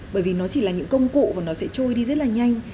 bởi vì nó chỉ là những công cụ và nó sẽ trôi đi rất là nhanh